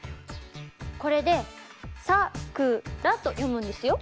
これで「さくら」と読むんですよ。